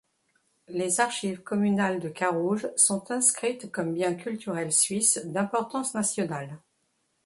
Les archives communales de Carouge sont inscrites comme bien culturel suisse d'importance nationale.